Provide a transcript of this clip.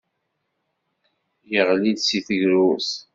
Yeɣli-d seg tegrurt.